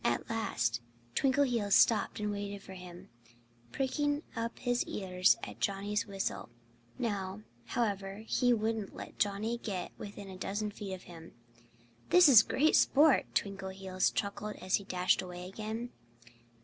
At last Twinkleheels stopped and waited for him, pricking up his ears at Johnnie's whistle. Now, however, he wouldn't let Johnnie get within a dozen feet of him. "This is great sport!" Twinkleheels chuckled as he dashed away again.